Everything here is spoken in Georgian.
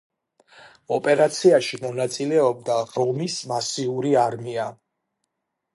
ოპერაციაში მონაწილეობდა რომის მასიური არმია.